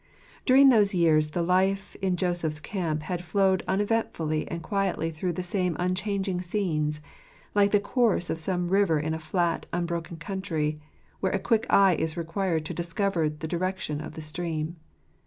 During those years the life in Jacob's camp had flowed uneventfully and quietly through the same unchanging scenes, like the course of some river in a flat, unbroken country, where a quick eye is required to discover the direction of the stream.